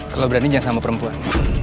kalau berani jangan sama perempuan